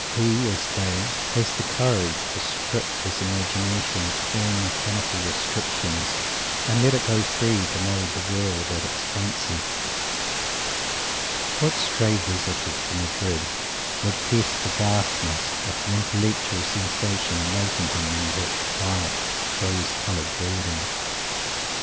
He, as they, has the courage to strip his imagination of all mechanical restrictions and let it go free to mould the world at its fancy. What stray visitor to Madrid would guess the vastness of the intellectual sensation awaiting him in that quiet, rose coloured building?